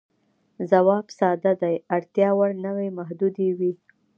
ځواب ساده دی، اړتیا وړ نوعې محدودې وې.